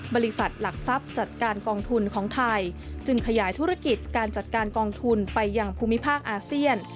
บริษัทหลักทรัพย์จัดการกองทุนของไทยจึงขยายธุรกิจการจัดการกองทุนไปยังภูมิภาคอาเซียน